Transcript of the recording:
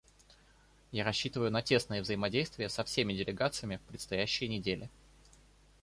Я рассчитываю на тесное взаимодействие со всеми делегациями в предстоящие недели.